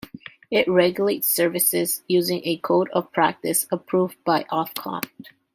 It regulates services using a Code of Practice, approved by Ofcom.